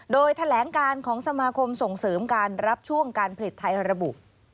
โดยแถลงการของสมาคมส่งเสริมการรับช่วงการผลิตไทยระบุ